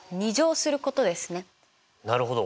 なるほど。